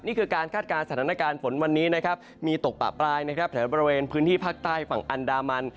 นี่คือการคาดการณ์สถานการณ์ฝนวันนี้นะครับมีตกปะปลายนะครับแถวบริเวณพื้นที่ภาคใต้ฝั่งอันดามัน